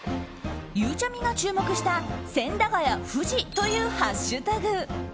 ゆうちゃみが注目した「＃千駄ヶ谷富士」というハッシュタグ。